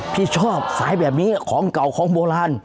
พี่ชอบสายแบบนี้ของเก่าของโบราณ